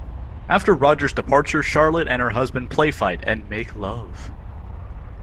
After Roger's departure Charlotte and her husband play-fight and make love.